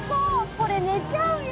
これ寝ちゃうよ。